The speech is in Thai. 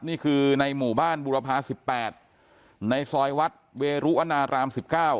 นี่คือในหมู่บ้านบุรพาสิบแปดในซอยวัดเวรุอณารามสิบเก้า